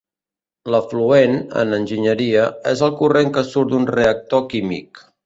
L'efluent, en enginyeria, és el corrent que surt d'un reactor químic.